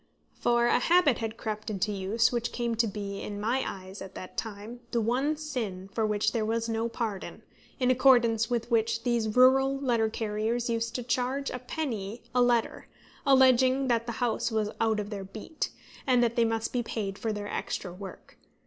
For a habit had crept into use, which came to be, in my eyes, at that time, the one sin for which there was no pardon, in accordance with which these rural letter carriers used to charge a penny a letter, alleging that the house was out of their beat, and that they must be paid for their extra work.